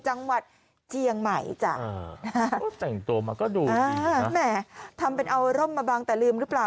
จังหวัดเจียงใหม่จ้ะเออนะฮะแต่งตัวมาก็ดูอ่าแหมทำเป็นเอาร่มมาบังแต่ลืมหรือเปล่า